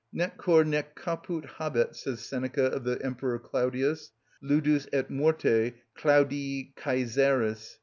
Nec cor nec caput habet, says Seneca of the Emperor Claudius (Ludus de morte Claudii Cæsaris, c.